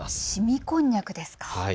しみこんにゃくですか。